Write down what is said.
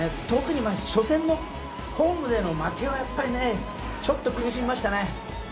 特に初戦のホームでの負けはちょっと苦しみましたね。